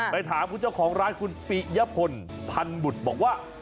ไปถามคุณเจ้าของร้านคุณปิยพลพันบุตรบอกว่า